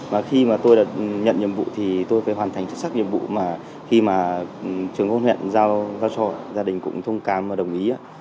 và khi mà tôi đã nhận nhiệm vụ thì tôi phải hoàn thành chất sắc nhiệm vụ mà khi mà trường hợp huyện giao cho gia đình cũng thông cảm và đồng ý